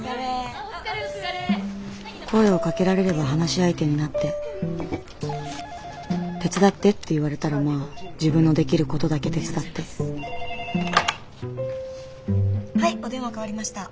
声をかけられれば話し相手になって手伝ってって言われたらまあ自分のできることだけ手伝ってはいお電話代わりました。